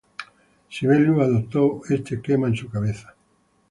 Sibelius adoptó este esquema en su cabeza.